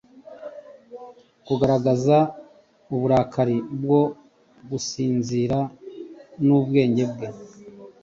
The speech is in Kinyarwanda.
kurakaza uburakari bwo gusinzira n'ubwenge bwe